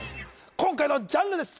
今回のジャンルです